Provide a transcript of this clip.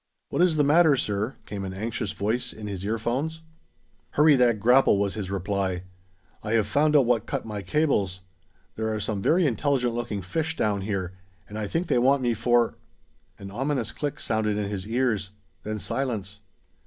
"What is the matter, sir?" came an anxious voice in his ear phones. "Hurry that grapple!" was his reply. "I have found out what cut my cables. There are some very intelligent looking fish down here, and I think they want me for " An ominous click sounded in his ears. Then silence.